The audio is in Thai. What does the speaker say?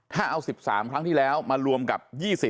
ถ้าเอา๑๓ครั้งที่แล้วมารวมกับ๒๐